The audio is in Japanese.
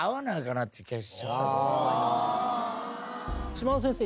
島田先生